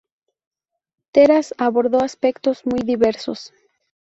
Terán abordó aspectos muy diversos.